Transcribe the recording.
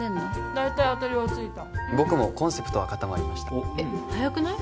大体当たりはついた僕もコンセプトは固まりましたえっ早くない？